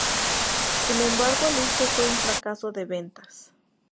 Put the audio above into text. Sin embargo el disco fue un fracaso de ventas.